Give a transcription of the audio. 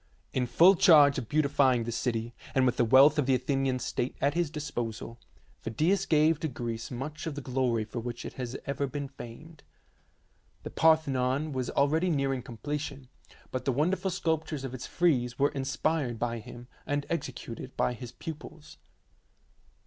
In full charge of beautifying the city, and with the wealth of the Athenian state at his disposal, Phidias gave to Greece much of the glory for which it has ever been famed. The Par thenon was already nearing completion, but the wonderful sculptures of its frieze were inspired by him, and executed by his pupils.